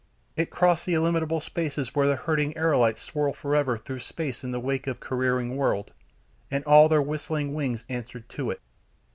It crossed the illimitable spaces where the herding aerolites swirl forever through space in the wake of careering world, and all their whistling wings answered to it.